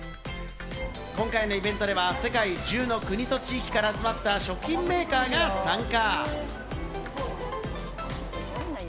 今回のイベントでは世界１０の国と地域から集まった食品メーカーが参加。